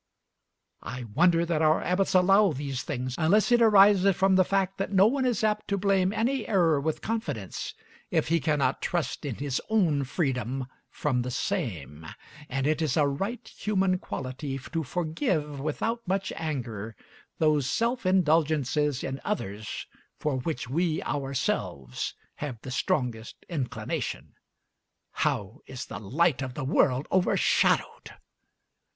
I wonder that our abbots allow these things, unless it arises from the fact that no one is apt to blame any error with confidence if he cannot trust in his own freedom from the same; and it is a right human quality to forgive without much anger those self indulgences in others for which we ourselves have the strongest inclination. How is the light of the world overshadowed!